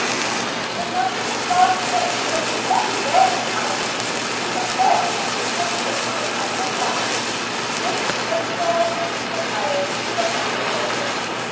"The money her father pays will be very welcome, Alice. We must bear with some discomforts on account of that." "I suppose so," said Alice, shrugging her shoulders.